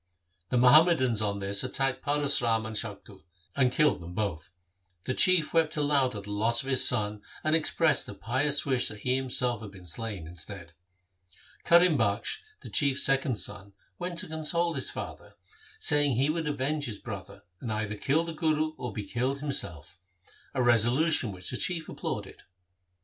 The Muhammadans on this attacked Paras Ram and Shaktu, and killed them both. The Chief wept aloud at the loss of his son, and expressed a pious wish that he himself had been slain instead. Karim Bakhsh, the Chief's second son, went to console his father, saying he would avenge his brother, and either kill the Guru or be killed himself — a resolution which the chief applauded.